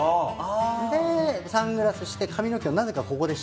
でサングラスして髪の毛をなぜかここで縛るっていう。